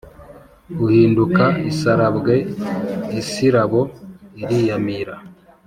Uhinduka isarabwe isirabo iriyamira